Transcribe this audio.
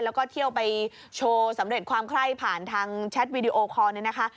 แล้วก็เที่ยวไปโชว์สำเร็จความไคร้ผ่านทางแชทวีดีโอคอลเนี่ยนะคะ